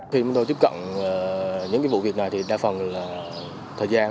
khi chúng tôi tiếp cận những vụ việc này thì đa phần là thời gian